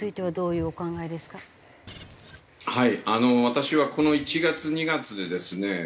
はい私はこの１月２月でですね